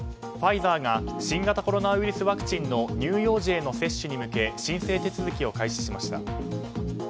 ファイザーが新型コロナウイルスワクチンの乳幼児への接種に向け申請手続きを開始しました。